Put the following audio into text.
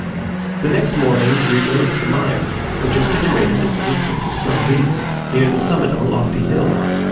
The next morning we rode to the mines, which are situated at the distance of some leagues, near the summit of a lofty hill.